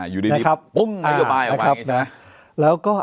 อยู่ที่ดิปรายบายแบบนี้